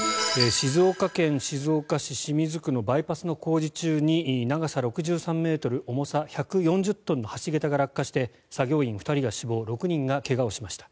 静岡県静岡市清水区のバイパスの工事中に長さ６３ｍ、重さ１４０トンの橋桁が落下して作業員２人が死亡６人が怪我をしました。